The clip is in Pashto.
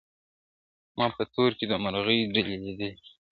ما په تور کي د مرغۍ ډلي لیدلې!.